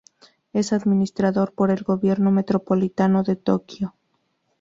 Es administrado por el Gobierno Metropolitano de Tokio.